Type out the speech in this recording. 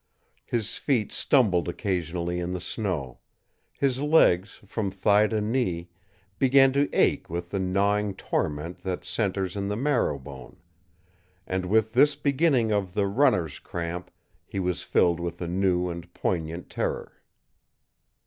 His feet stumbled occasionally in the snow; his legs, from thigh to knee, began to ache with the gnawing torment that centers in the marrowbone; and with this beginning of the "runner's cramp" he was filled with a new and poignant terror.